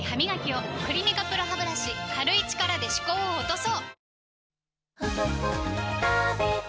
「クリニカＰＲＯハブラシ」軽い力で歯垢を落とそう！